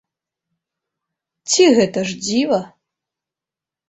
Ці гэта ж дзіва?!